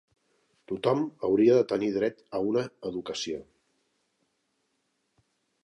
Tothom hauria de tenir dret a una educació.